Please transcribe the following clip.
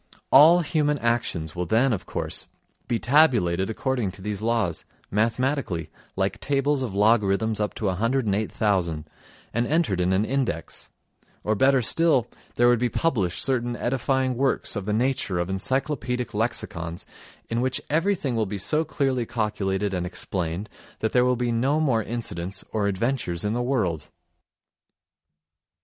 All human actions will then, of course, be tabulated according to these laws, mathematically, like tables of logarithms up to 108,000, and entered in an index; or, better still, there would be published certain edifying works of the nature of encyclopaedic lexicons, in which everything will be so clearly calculated and explained that there will be no more incidents or adventures in the world.